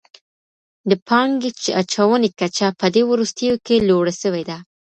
د پانګې اچونې کچه په دې وروستيو کي لوړه سوي ده.